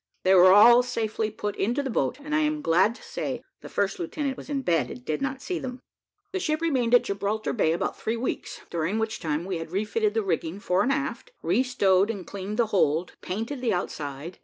They were all safely put into the boat, and I am glad to say the first lieutenant was in bed and did not see them. The ship remained at Gibraltar Bay about three weeks, during which time we had refitted the rigging fore and aft, restowed and cleaned the hold, and painted the outside.